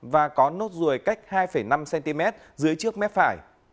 và có nốt ruồi cách hai năm cm dưới trước mép phải